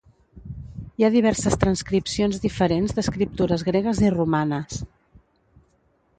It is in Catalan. Hi ha diverses transcripcions diferents d'escriptures gregues i romanes.